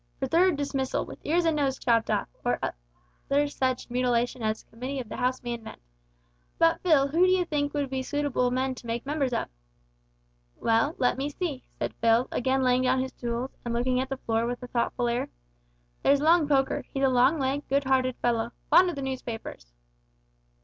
For third dismissal, with ears and noses chopped off, or such other mutilation as a committee of the house may invent. But, Phil, who d'yee think would be suitable men to make members of?" "Well, let me see," said Phil, again laying down his tools, and looking at the floor with a thoughtful air, "there's Long Poker, he's a long legged, good hearted fellow fond o' the newspapers."